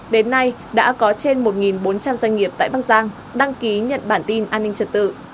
đến nay đã có trên một bốn trăm linh doanh nghiệp tại bắc giang đăng ký nhận bản tin an ninh trật tự